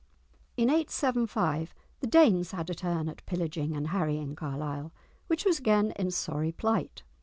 In 875 the Danes had a turn at pillaging and harrying Carlisle, which was again in sorry plight.